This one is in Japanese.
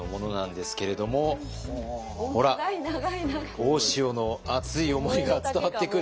大塩の熱い思いが伝わってくる。